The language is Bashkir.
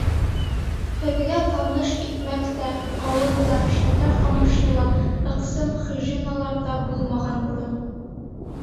— Һеҙгә таныш икмәк тә, ҡауын да, шәкәр ҡамышы ла, ыҡсым хижиналар ҙа булмаған борон.